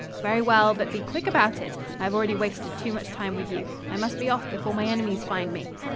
"Very well, but be quick about it I have already wasted too much time with you. I must be off before my enemies find me."